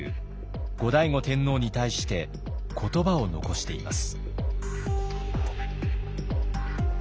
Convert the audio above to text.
後醍醐天皇に対して言葉を残しています。